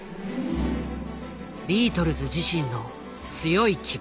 ビートルズ自身の強い希望。